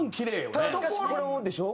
ただしかしこれをでしょ？